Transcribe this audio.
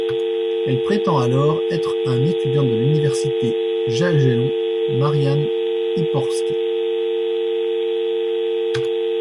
Elle prétend alors être un étudiant de l'Université Jagellon, Marian Ipohorski.